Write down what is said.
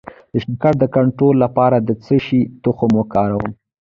د شکر د کنټرول لپاره د څه شي تخم وکاروم؟